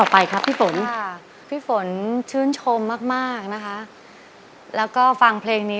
พี่ไอซ์ครับ